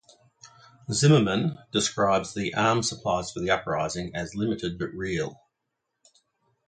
Zimmerman describes the arm supplies for the uprising as "limited but real".